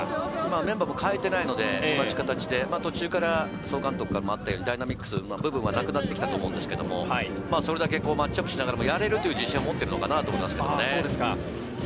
メンバーを変えていないので、同じ形で途中から総監督からあったようにダイナミックな部分はなくなってきたと思うんですが、マッチアップしながらも、やれるという自信を持っているのかなと思います。